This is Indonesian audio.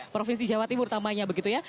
provinsi jawa timur namanya begitu ya